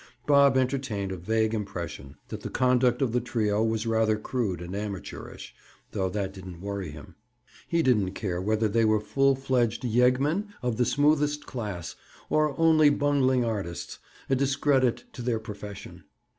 Bob entertained a vague impression that the conduct of the trio was rather crude and amateurish, though that didn't worry him. He didn't care whether they were full fledged yeggmen of the smoothest class, or only bungling artists, a discredit to their profession.